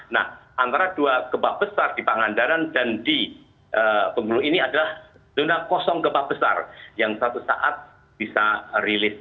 nah antara dua gempa besar di pangandaran dan di bengkulu ini adalah zona kosong gempa besar yang satu saat bisa rilis